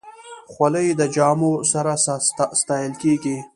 خولۍ د جامو سره ستایل کېږي.